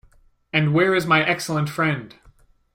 And where is my excellent friend?